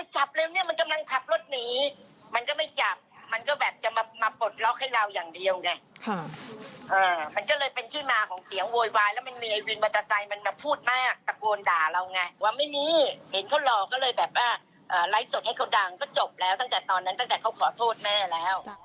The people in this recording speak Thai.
เชื่อว่าไลฟ์สดให้เขาดังก็จบแล้วตั้งแต่ตอนนั้นเขาขอโทษแม่แล้ว